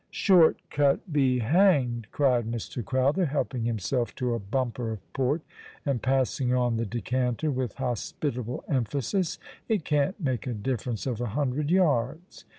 " Short cut be hanged !" cried Mr. Crowther, helping him self to a bumper of port, and passing on the decanter wdtli hospitable emphasis. " It can't make a difference of a hundred yards."